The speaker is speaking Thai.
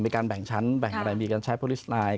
มีการแบ่งชั้นแบ่งอะไรมีการใช้โปรลิสไนท์